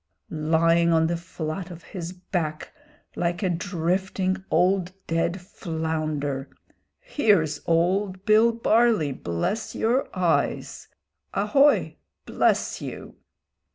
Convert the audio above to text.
Lying on the flat of his back, like a drifting old dead flounder; here's old Bill Barley, bless your eyes. Ahoy! Bless you!"